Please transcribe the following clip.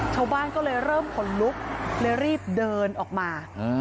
ชาวบ้านก็เลยเริ่มขนลุกเลยรีบเดินออกมา